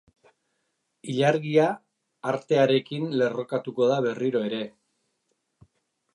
Ilargia artearekin lerrokatuko da berriro ere.